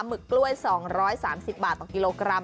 หึกกล้วย๒๓๐บาทต่อกิโลกรัม